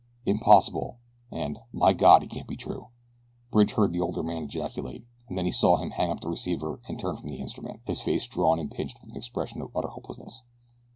"Impossible!" and "My God! it can't be true," Bridge heard the older man ejaculate, and then he saw him hang up the receiver and turn from the instrument, his face drawn and pinched with an expression of utter hopelessness.